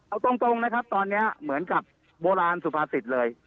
เอาตรงตอนนี้เหมือนกับโบราณสุภาษฐศิลป์เลย